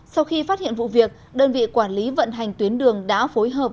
sau khi phát hiện vụ việc đơn vị quản lý vận hành tuyến đường đã phối hợp